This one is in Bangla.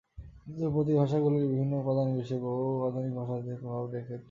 কিন্তু ধ্রুপদী ভাষাগুলির বিভিন্ন উপাদান বিশ্বের বহু আধুনিক ভাষাতে প্রভাব রেখে চলেছে।